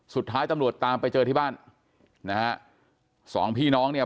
สุดท้ายตำรวจตามไปเจอที่บ้านนะฮะสองพี่น้องเนี่ย